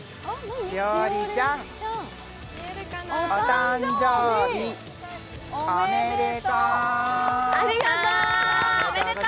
栞里ちゃんお誕生日おめでとう。